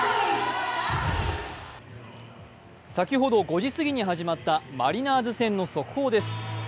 先ほど５時すぎに始まったマリナーズ戦の速報です。